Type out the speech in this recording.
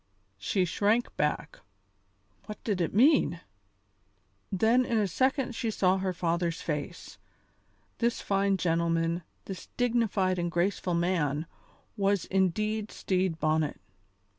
She shrank back. "What did it mean?" Then in a second she saw her father's face. This fine gentleman, this dignified and graceful man, was indeed Stede Bonnet.